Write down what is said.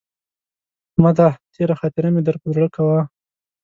احمده! تېرې خاطرې مه در پر زړه کوه.